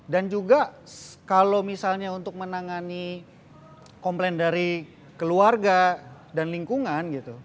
dan juga kalau misalnya untuk menangani komplain dari keluarga dan lingkungan gitu